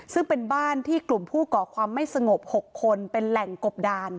ซึ่งเป็นบ้านที่กลุ่มผู้ก่อความไม่สงบ๖คนเป็นแหล่งกบดาน